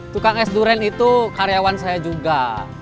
tukang es durian itu karyawan saya juga